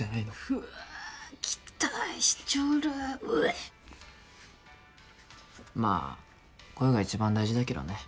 うわ期待しちょるオエッまあ声が一番大事だけどね